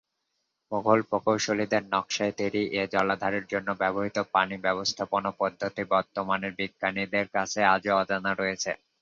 মুঘল প্রকৌশলীদের নকশায় তৈরী এ জলাধারের জন্য ব্যবহৃত পানি ব্যবস্থাপনা পদ্ধতি বর্তমানের বিজ্ঞানীদের কাছে আজো অজানা রয়েছে।